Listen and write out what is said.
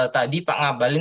tadi pak ngabalin